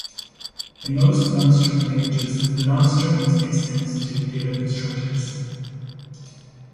In most non-strict languages the non-strictness extends to data constructors.